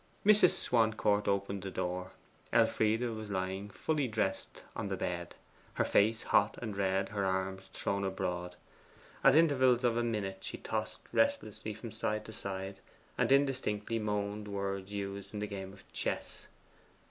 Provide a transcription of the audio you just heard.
Mrs. Swancourt opened the door. Elfride was lying full dressed on the bed, her face hot and red, her arms thrown abroad. At intervals of a minute she tossed restlessly from side to side, and indistinctly moaned words used in the game of chess.